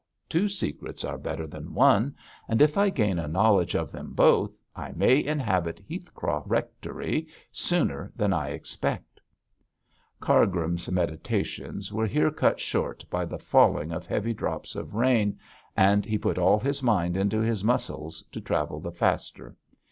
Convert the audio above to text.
two secrets are better than one, and if I gain a knowledge of them both, I may inhabit Heathcroft Rectory sooner than I expect.' Cargrim's meditations were here cut short by the falling of heavy drops of rain, and he put all his mind into his muscles to travel the faster.